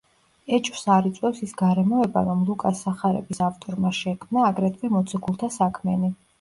ეჭვს არ იწვევს ის გარემოება, რომ ლუკას სახარების ავტორმა შექმნა, აგრეთვე, მოციქულთა საქმენი.